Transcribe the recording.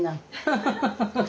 ハハハハ。